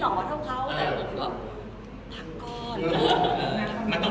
มันต้องกว้ากว้างลงเกิน